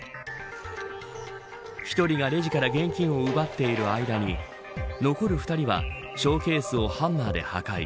１人がレジから現金を奪っている間に残る２人は、ショーケースをハンマーで破壊。